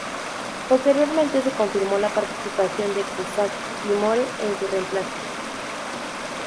Posteriormente se confirmó la participación de Cusack y Moore en su reemplazo.